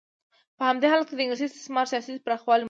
په همدې حالت کې د انګلیس استعماري سیاست پراخوالی مونده.